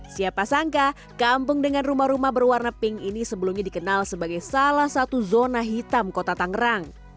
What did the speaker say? siapa sangka kampung dengan rumah rumah berwarna pink ini sebelumnya dikenal sebagai salah satu zona hitam kota tangerang